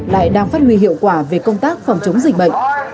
lại đang phát huy hiệu quả về công tác phòng chống dịch bệnh